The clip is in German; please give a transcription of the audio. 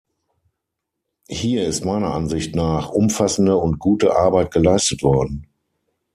Hier ist meiner Ansicht nach umfassende und gute Arbeit geleistet worden.